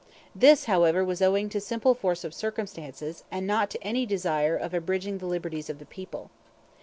This, however, was owing to simple force of circumstances and not to any desire of abridging the liberties of the people.